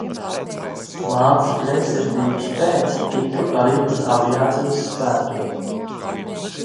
Mātes greizsirdības pēc tiku arī uz aviācijas svētkiem.